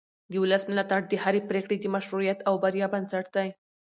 د ولس ملاتړ د هرې پرېکړې د مشروعیت او بریا بنسټ دی